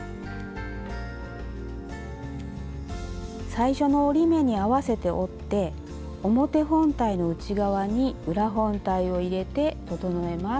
最初の折り目に合わせて折って表本体の内側に裏本体を入れて整えます。